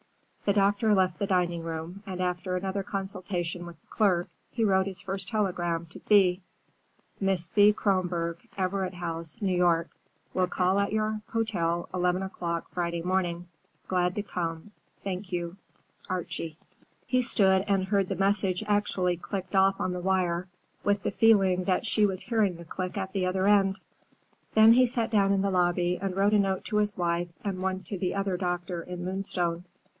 The doctor left the dining room, and after another consultation with the clerk, he wrote his first telegram to Thea:— Miss Thea Kronborg, Everett House, New York. Will call at your hotel eleven o'clock Friday morning. Glad to come. Thank you. ARCHIE He stood and heard the message actually clicked off on the wire, with the feeling that she was hearing the click at the other end. Then he sat down in the lobby and wrote a note to his wife and one to the other doctor in Moonstone.